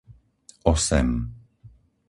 osem